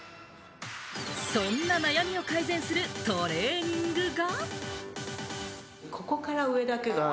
そんな悩みを改善するトレーニングが。